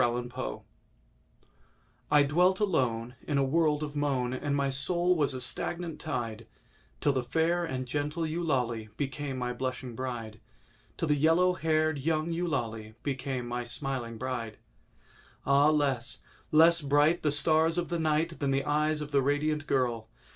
EULALIE I DWELT alone In a world of moan, And my soul was a stagnant tide, Till the fair and gentle Eulalie became my blushing bride— Till the yellow haired young Eulalie became my smiling bride. Ah, less—less bright The stars of the night Than the eyes of the radiant girl!